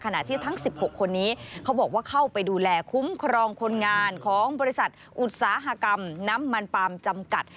ขณะที่ทั้ง๑๖คนนี้เขาบอกว่าเข้าไปดูแลคุ้มครองคนงานของบริษัทอุตสาหกรรมน้ำมันปาล์มจำกัด